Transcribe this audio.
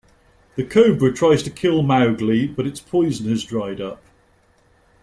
The cobra tries to kill Mowgli but its poison has dried up.